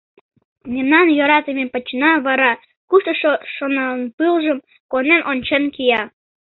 Мемнан йӧратыме пачана вара «куштышо шонанпылжым» куанен ончен кия.